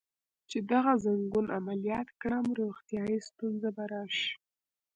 چې دغه ځنګون عملیات کړم، روغتیایی ستونزه به راشي.